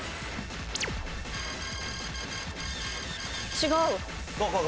違う？